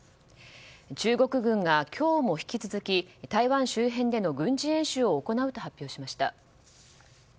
中国軍が今日も引き続き台湾周辺での軍事演習を行うと発表しました。